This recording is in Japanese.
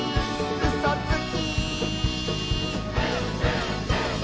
「うそつき！」